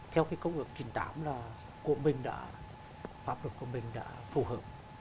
theo cái công ước chín mươi tám là pháp luật của mình đã phù hợp